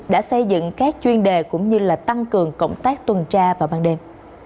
đã xây dựng các chuyên đề cũng như tăng cường cộng tác tuần tra vào ban đêm